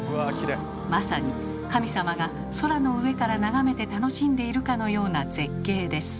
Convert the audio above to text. まさに神様が空の上から眺めて楽しんでいるかのような絶景です。